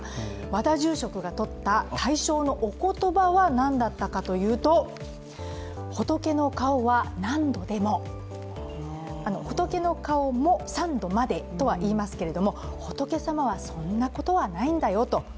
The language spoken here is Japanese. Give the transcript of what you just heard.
和田住職が取った大賞のお言葉は何だったかというと「仏の顔も三度まで」とは言いますけれども仏様はそんなことはないんだよと。